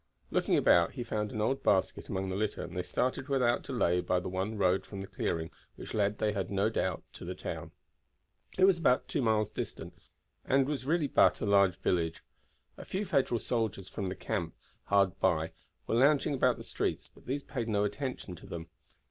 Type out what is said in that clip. Looking about he found an old basket among the litter, and they started without delay by the one road from the clearing, which led, they had no doubt, to the town. It was about two miles distant, and was really but a large village. A few Federal soldiers from the camp hard by were lounging about the streets but these paid no attention to them.